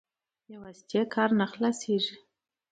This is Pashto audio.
بې واسطې کار نه خلاصوي.